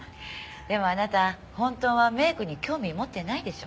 でもあなた本当はメイクに興味持ってないでしょ？